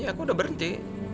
ya aku udah berhenti